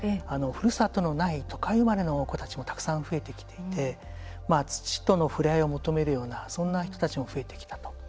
ふるさとのない都会生まれの子たちもたくさん増えてきていて土との触れ合いを求めるようなそんな人たちも増えてきたと。